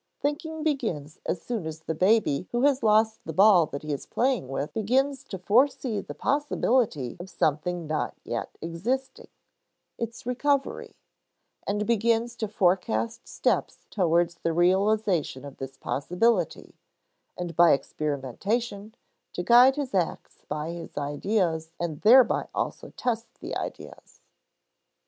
Thinking begins as soon as the baby who has lost the ball that he is playing with begins to foresee the possibility of something not yet existing its recovery; and begins to forecast steps toward the realization of this possibility, and, by experimentation, to guide his acts by his ideas and thereby also test the ideas.